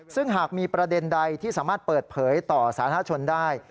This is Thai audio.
ซึ่งหากมีประเด็นใดที่สามารถเปิดเผยต่อสาธารณชนได้